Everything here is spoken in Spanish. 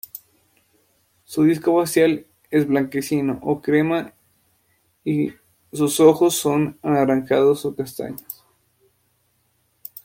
Su disco facial es blanquecino o crema, y sus ojos son anaranjados o castaños.